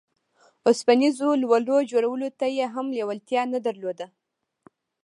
اوسپنيزو لولو جوړولو ته يې هم لېوالتيا نه درلوده.